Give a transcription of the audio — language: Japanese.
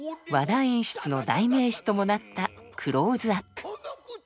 和田演出の代名詞ともなったクローズアップ。